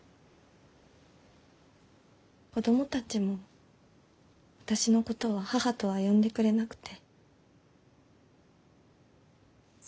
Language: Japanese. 子供たちも私のことは「母」とは呼んでくれなくて。